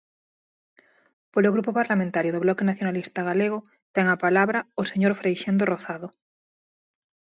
Polo Grupo Parlamentario do Bloque Nacionalista Galego, ten a palabra o señor Freixendo Rozado.